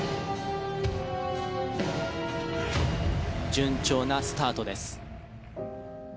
順調なスタートです。